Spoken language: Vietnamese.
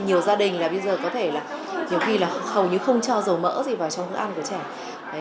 nhiều gia đình là bây giờ có thể là nhiều khi là hầu như không cho dầu mỡ gì vào trong bữa ăn của trẻ